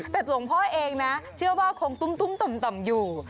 แต่หลวงพ่อเองนะเชื่อว่าคงตุ้มต่อมอยู่